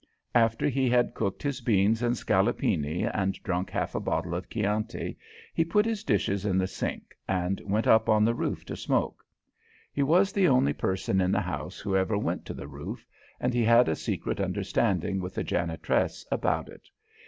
After he had cooked his beans and scallopini, and drunk half a bottle of Chianti, he put his dishes in the sink and went up on the roof to smoke. He was the only person in the house who ever went to the roof, and he had a secret understanding with the janitress about it.